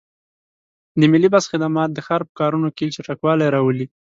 د ملي بس خدمات د ښار په کارونو کې چټکوالی راولي.